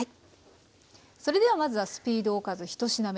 それではまずはスピードおかず１品目。